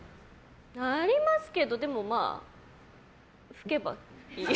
なりますけど、でも拭けばいい。